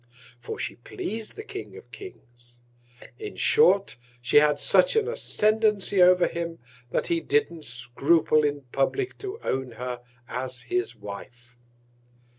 For she pleas'd the King of Kings: In short, she had such an Ascendancy over him, that he didn't scruple in publick to own her as his Wife.